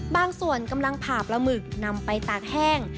บางส่วนกำลังผ่าปลาหมึกนำไปตากแห้ง